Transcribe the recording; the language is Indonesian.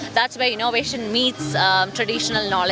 itu yang membuat inovasi menemukan pengetahuan tradisional juga